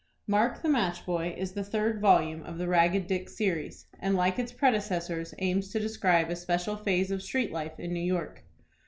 "MARK, THE MATCH BOY," is the third volume of the "Ragged Dick Series," and, like its predecessors, aims to describe a special phase of street life in New York.